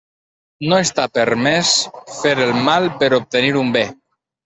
No està permès fer el mal per obtenir un bé.